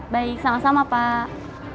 baik sama sama pak